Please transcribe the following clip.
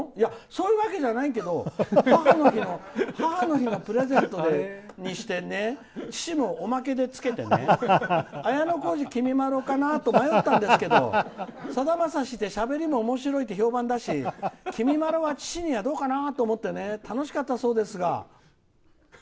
そういうわけじゃないけど母の日のプレゼントにして父もおまけでつけてね綾小路きみまろかなと迷ったんですけどさだまさしってしゃべりもおもしろいって評判だし父にはどうかなと思って楽しかったそうですが。